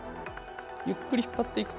ゆっくり引っ張っていくと。